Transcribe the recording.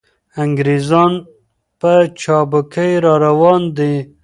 انګریزان په چابکۍ را روان دي.